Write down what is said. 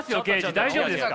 大丈夫ですか？